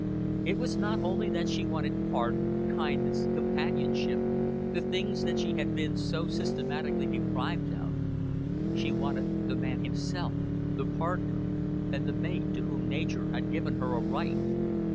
It was not only that she wanted pardon, kindness, companionship, the things that she had been so systematically deprived of; she wanted the man himself, the partner, and the mate to whom nature had given her a right.